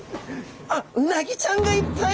あっうなぎちゃんがいっぱい！